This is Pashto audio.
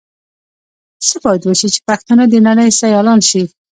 څه بايد وشي چې پښتانهٔ د نړۍ سيالان شي؟